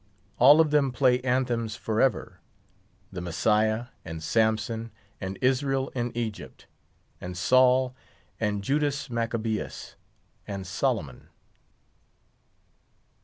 All of them play anthems forever: The Messiah, and Samson, and Israel in Egypt, and Saul, and Judas Maccabeus, and Solomon.